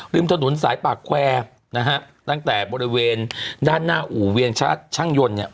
ริมถนนสายปากแควร์ตั้งแต่บริเวณด้านหน้าอู่เวียงช่างยนต์